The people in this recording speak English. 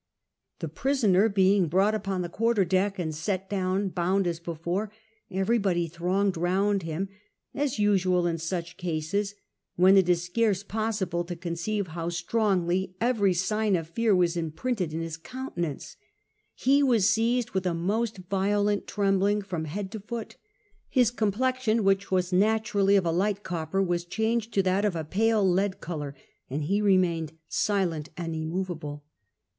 The prisoner being brought upon the quarter deck, and set down bound as before, everybody thronged round him, as is usual in such cases, when it is scarce possible to conceive how strongly every sign of fear was imprinted in his coun tenance ; he was seized with a most violent trembling from head to foot ; his complexion, which was naturally of a light copper, was changed to that of a pale lead colour ; and he remained silent and immovable.